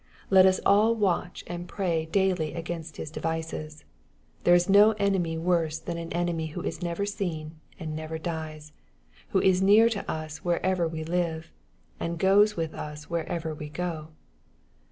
Let us all watch and pray daily against his devices. There is no enemy worse than an enemjiwho is never seen and never dies, who is near to us wherever we live, and goes with us wherever we go.